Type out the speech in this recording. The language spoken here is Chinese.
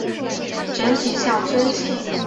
整体像樽形。